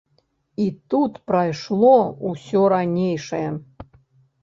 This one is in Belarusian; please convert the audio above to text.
І тут прайшло ўсё ранейшае.